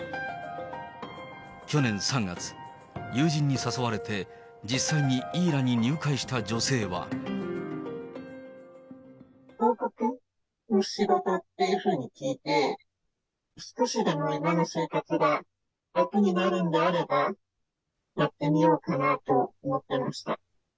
去年３月、友人に誘われて、広告の仕事というふうに聞いて、少しでも今の生活が楽になるんであれば、やってみようかなと思ってました。